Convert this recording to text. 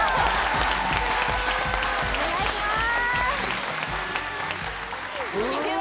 お願いします！